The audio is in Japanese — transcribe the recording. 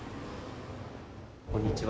こんにちは。